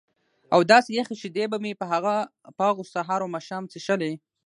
او داسې یخې شیدې به مې په هغو سهار و ماښام څښلې.